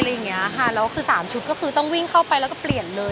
แล้วคือ๓ชุดก็คือต้องวิ่งเข้าไปแล้วก็เปลี่ยนเลย